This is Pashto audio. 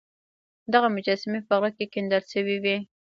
دغه مجسمې په غره کې کیندل شوې وې